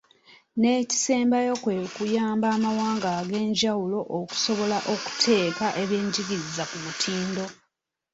N'ekisembayo kwe kuyamba amawanga ag'enjawulo okusobola okuteeka ebyenjigiriza ku mutindo.